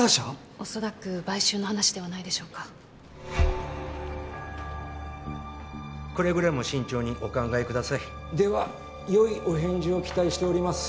おそらく買収の話ではないでしょうかくれぐれも慎重にお考えくださいではよいお返事を期待しております